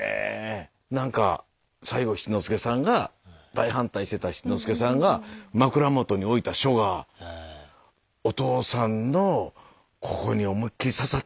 何か最後七之助さんが大反対してた七之助さんが枕元に置いた書がお父さんのここに思いっきり刺さってんのかなと思って。